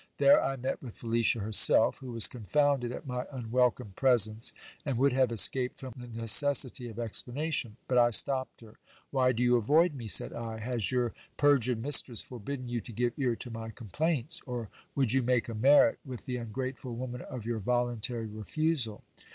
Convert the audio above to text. There I met with Felicia herself, who was confounded at my unwelcome presence, and would have escaped from the necessity of explan ation. But I stopped her. Why do you avoid me ? said I. Has your per jured mistress forbidden you to give ear to my complaints ? or would you make a merit with the ungrateful woman, of your voluntary refusal.